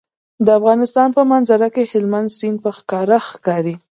د افغانستان په منظره کې هلمند سیند په ښکاره ښکاري.